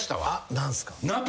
何すか？